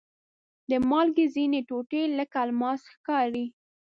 د مالګې ځینې ټوټې لکه الماس ښکاري.